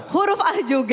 huruf a juga